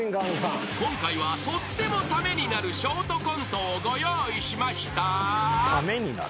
［今回はとってもためになるショートコントをご用意しました］